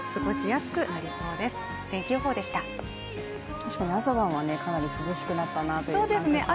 確かに朝晩はかなり涼しくなったなという感覚はありますよね。